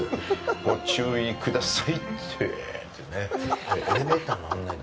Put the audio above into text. ご注意くださいってねっ。